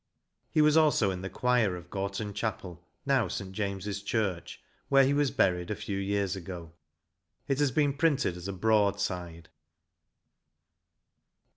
He was also in the choir of Gorton chapel, now St. James's Church, where he was buried a few years ago. It has been printed as a broadside.